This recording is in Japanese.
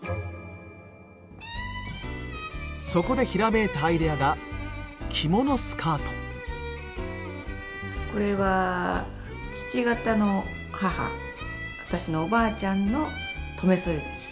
そこでひらめいたアイデアがこれは父方の母私のおばあちゃんの留め袖です。